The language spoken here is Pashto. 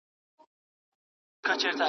پښې د يورغان سره سمې غځوئ.